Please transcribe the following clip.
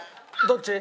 どっち？